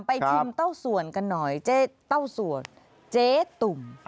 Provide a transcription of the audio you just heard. ชิมเต้าสวนกันหน่อยเจ๊เต้าสวนเจ๊ตุ่ม